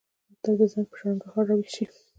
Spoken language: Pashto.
د مکتب د زنګ، په شرنګهار راویښ شي